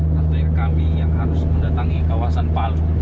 tentunya kami yang harus mendatangi kawasan palu